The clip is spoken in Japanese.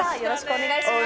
お願いします。